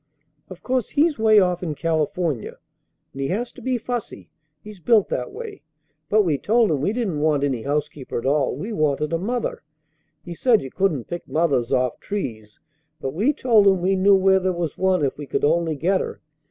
Of course he's way off in California, and he has to be fussy. He's built that way. But we told him we didn't want any housekeeper at all, we wanted a mother. He said you couldn't pick mothers off trees, but we told him we knew where there was one if we could only get her.